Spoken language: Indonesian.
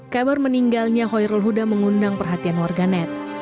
kabar meninggalnya hoirol huda mengundang perhatian warga net